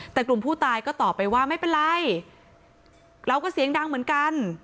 แต่กลุ่มผู้ตายก็ตอบไปว่าไม่เป็นไรเราก็เสียงดังเหมือนกัน